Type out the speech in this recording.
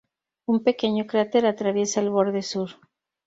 Un pequeño cráter atraviesa el borde sur.